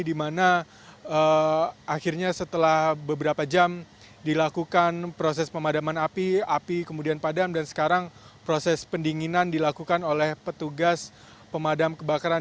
di mana akhirnya setelah beberapa jam dilakukan proses pemadaman api api kemudian padam dan sekarang proses pendinginan dilakukan oleh petugas pemadam kebakaran